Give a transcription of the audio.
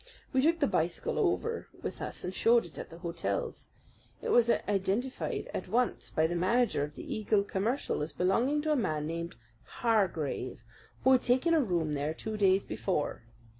We took the bicycle over with us and showed it at the hotels. It was identified at once by the manager of the Eagle Commercial as belonging to a man named Hargrave, who had taken a room there two days before.